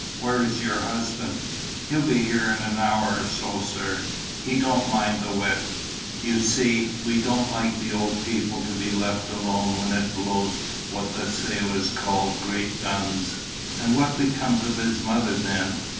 Where is your husband?" "He'll be here in an hour or so, sir. He don't mind the wet. You see, we don't like the old people to be left alone when it blows what the sailors call 'great guns.'" "And what becomes of his mother then?"